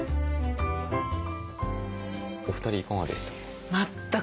お二人いかがでした？